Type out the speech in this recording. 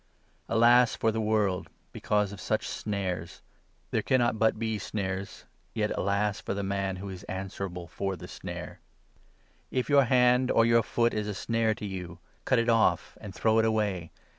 Alas for the world because of 7 such snares ! There cannot but be snares ; yet alas for the man who is answerable for the snare ! If your hand or your foot is a snare to you, cut it off, and 8 throw it away.